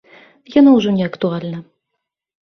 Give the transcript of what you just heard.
Яно ўжо не актуальна.